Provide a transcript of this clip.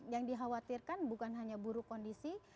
yang dikhawatirkan bukan hanya buruk kondisi